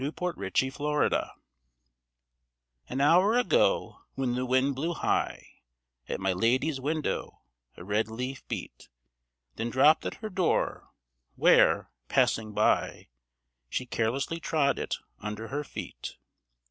A CRUSHED LEAF An hour ago when the wind blew high At my lady's window a red leaf beat. Then dropped at her door, where, passing by, She carelessly trod it under her feet.